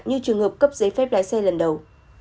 như trường hợp cấp giấy phép lái xe lần đầu